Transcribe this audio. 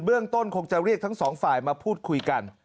เรื่องต้นคงจะเรียกทั้งสองฝ่ายมาพูดคุยกัน